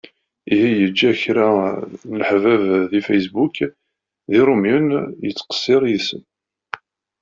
Ihi yega-d kra n leḥbab di Facebook d iṛumyen yettqessiṛ yid-sen.